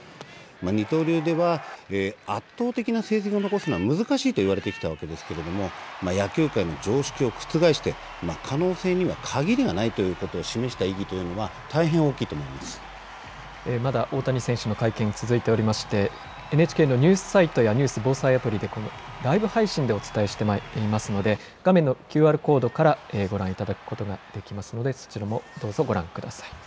二刀流では圧倒的な成績を残すのは、難しいと言われてきたわけですけれども、野球界の常識を覆して可能性には限りがないということを示した意義というのはまだ大谷選手の会見が続いておりまして、ＮＨＫのニュースサイトやニュース防災アプリでライブ配信でお伝えしてまいりますので、画面のＱＲコードからご覧いただくことができますので、そちらもどうぞご覧ください。